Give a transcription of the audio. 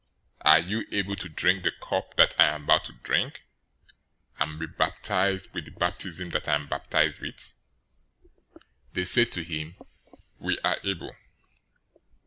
Are you able to drink the cup that I am about to drink, and be baptized with the baptism that I am baptized with?" They said to him, "We are able."